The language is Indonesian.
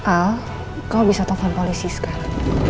al kau bisa telepon polisi sekarang